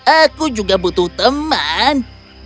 aku juga butuh teman